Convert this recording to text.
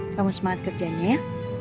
kamu semangat kerjanya ya